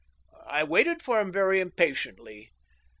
... I waited for him very impatiently.